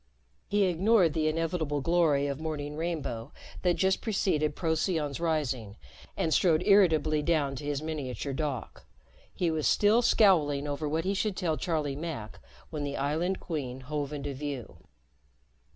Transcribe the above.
He ignored the inevitable glory of morning rainbow that just preceded Procyon's rising and strode irritably down to his miniature dock. He was still scowling over what he should tell Charlie Mack when the Island Queen hove into view.